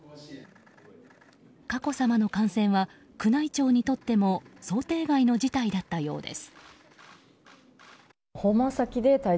佳子さまの感染は宮内庁にとっても想定外の事態だったようです。